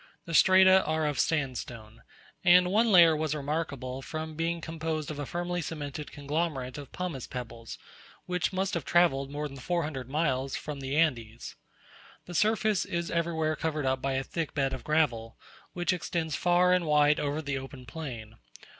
The strata are of sandstone, and one layer was remarkable from being composed of a firmly cemented conglomerate of pumice pebbles, which must have travelled more than four hundred miles, from the Andes. The surface is everywhere covered up by a thick bed of gravel, which extends far and wide over the open plain.